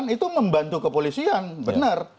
itu membantu kepolisian benar